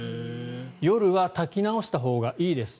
夜は炊き直したほうがいいです。